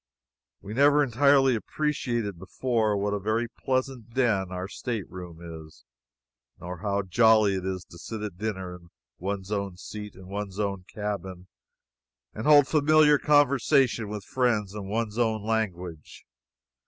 We never entirely appreciated, before, what a very pleasant den our state room is; nor how jolly it is to sit at dinner in one's own seat in one's own cabin, and hold familiar conversation with friends in one's own language.